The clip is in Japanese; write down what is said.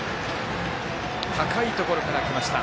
高いところからきました。